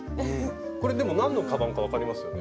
これでも何のカバンか分かりますよね？